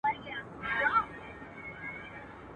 نه یو غزله جانانه سته زه به چیري ځمه.